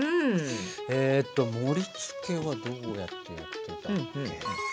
えっと盛りつけはどうやってやってたっけ。